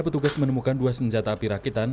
petugas menemukan dua senjata api rakitan